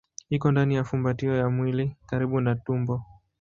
Iko ndani ya fumbatio ya mwili karibu na tumbo.